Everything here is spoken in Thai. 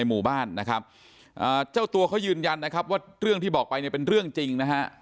หมู่บ้านนะครับเจ้าตัวเขายืนยันนะครับว่าเรื่องที่บอกไปเนี่ยเป็นเรื่องจริงนะฮะ